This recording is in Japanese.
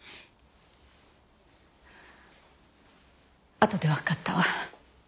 あとでわかったわ。